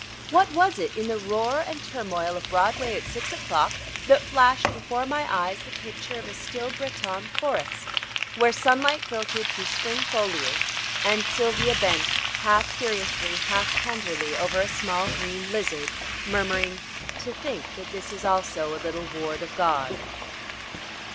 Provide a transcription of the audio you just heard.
What was it in the roar and turmoil of Broadway at six o'clock that flashed before my eyes the picture of a still Breton forest where sunlight filtered through spring foliage and Sylvia bent, half curiously, half tenderly, over a small green lizard, murmuring: "To think that this also is a little ward of God!"